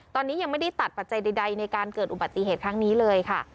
ตอนนี้ยังไม่ได้ตัดปัจจัยใดในการเกิดอุบัติเหตุครั้งนี้เลยค่ะ